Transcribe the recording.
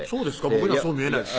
僕にはそう見えないです